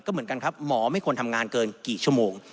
ก็เหมือนกันครับหมอไม่ควรทำงานเกินกี่ชั่วโมง